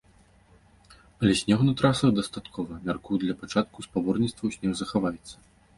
Але снегу на трасах дастаткова, мяркую, для пачатку спаборніцтваў снег захаваецца.